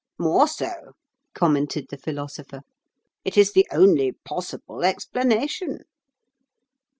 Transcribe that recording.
"More so," commented the Philosopher. "It is the only possible explanation."